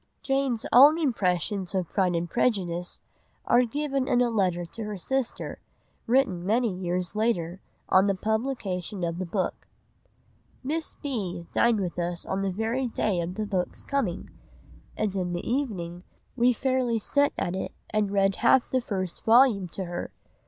Jane's own impressions of Pride and Prejudice are given in a letter to her sister, written many years later, on the publication of the book— "Miss B. dined with us on the very day of the book's coming, and in the evening we fairly set at it and read half the first vol. to her....